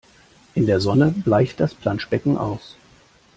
In der Sonne bleicht das Planschbecken aus.